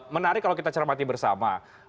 menarik kalau kita cermati bersama